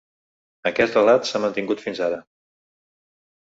Aquest relat s’ha mantingut fins ara.